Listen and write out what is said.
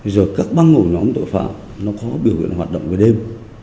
rồi các băng ổ nóng tội phạm nó có biểu hiện hoạt động vào đêm